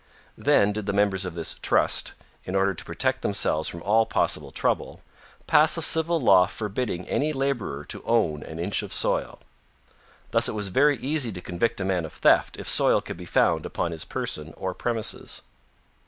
Then did the members of this Trust, in order to protect themselves from all possible trouble, pass a civil law forbidding any laborer to own an inch of soil. Thus it was very easy to convict a man of theft if soil could be found upon his person or premises.